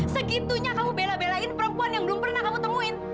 segitunya kamu bela belain perempuan yang belum pernah kamu temuin